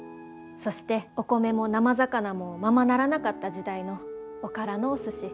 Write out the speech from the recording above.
そしてお米も生魚もままならなかった時代のおからのお寿司。